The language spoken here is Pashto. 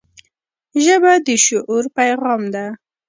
ژبه د شعور پیغام ده